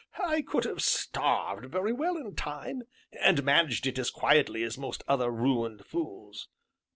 I could have starved very well in time, and managed it as quietly as most other ruined fools.